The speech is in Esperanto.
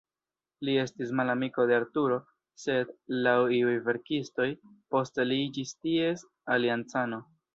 Li estis malamiko de Arturo, sed, laŭ iuj verkistoj, poste li iĝis ties aliancano.